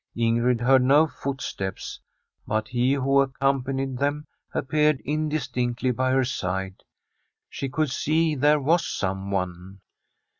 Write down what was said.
Ingrid heard no footsteps, but he who accom panied them appeared indistinctly by her side. She could see there was someone.